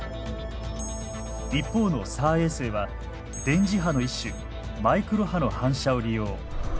一方のＳＡＲ衛星は電磁波の一種マイクロ波の反射を利用。